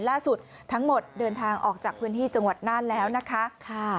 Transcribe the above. ล่าสุดทั้งหมดเดินทางออกจากพื้นที่จังหวัดน่านแล้วนะคะ